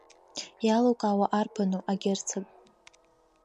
Иалукаауа арбану, агерцог?